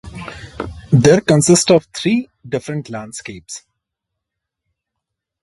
The district consists of three different landscapes.